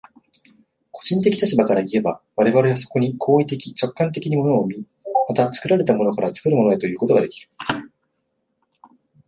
個人的立場からいえば、我々はそこに行為的直観的に物を見、また作られたものから作るものへということができる。